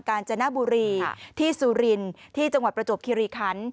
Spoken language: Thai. กาญจนบุรีที่สุรินที่จังหวัดประจวบคิริคัน